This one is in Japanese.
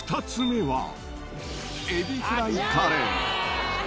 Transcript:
２つ目は、エビフライカレー。